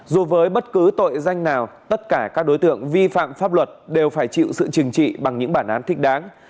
dù với bất cứ tội danh nào tất cả các đối tượng vi phạm pháp luật đều phải chịu sự trừng trị bằng những bản án thích đáng